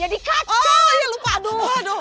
jadi cut oh iya lupa aduh aduh